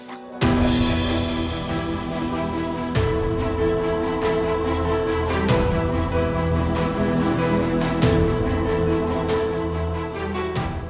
apakah kau tidak ingat itu raden walang sulsang